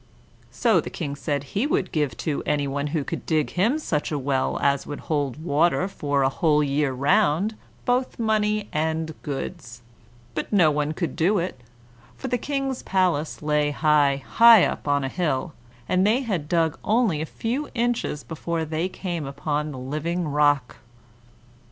So the King said he would give to any one who could dig him such a well as would hold water for a whole year round, both money and goods; but no one could do it, for the King's palace lay high, high up on a hill, and they had dug only a few inches before they came upon the living rock.